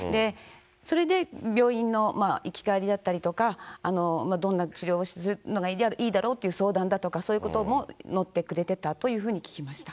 それで病院の行き帰りだったりとか、どんな治療をするのがいいだろうという相談だとか、そういうことも乗ってくれてたというふうに聞きました。